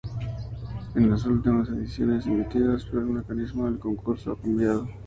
En las últimas ediciones emitidas el mecanismo del concurso ha cambiado.